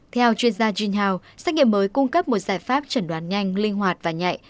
theo chuyên gia junhao xét nghiệm mới cung cấp một giải pháp chẩn đoán nhanh linh hoạt và nhạy